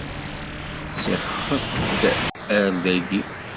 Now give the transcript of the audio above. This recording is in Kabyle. Sixef-d ar dayi.